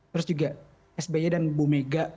terus juga sbi dan bumega